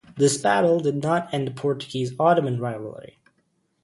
This battle did not end the Portuguese-Ottoman rivalry.